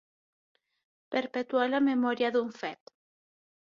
Perpetuar la memòria d'un fet.